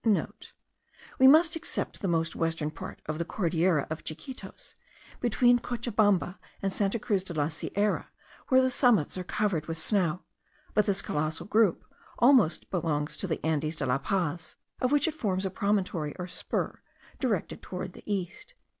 *(* We must except the most western part of the Cordillera of Chiquitos, between Cochabamba and Santa Cruz de la Sierra where the summits are covered with snow; but this colossal group almost belongs to the Andes de la Paz, of which it forms a promontory or spur, directed toward the east.)